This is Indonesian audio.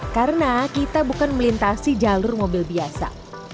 karena kita bukan melintasi jalur mobil biasa